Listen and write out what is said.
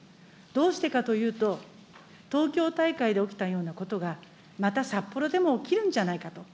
どうしてかというと、東京大会で起きたようなことが、また札幌でも起きるんじゃないかと。